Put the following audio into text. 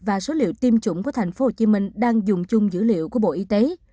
và số liệu tiêm chủng của tp hcm đang dùng chung dữ liệu của bộ y tế